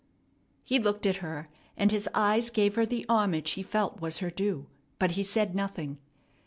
He looked at her, and his eyes gave her the homage he felt was her due; but he said nothing.